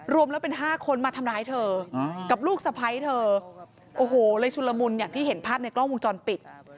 รวมแล้วเป็น๕คนมาทำร้ายเธอกับลูกสะพ้ายเธอโอ้โหเลยชุนละมุนอย่างที่เห็นภาพในกล้องวงจรปิด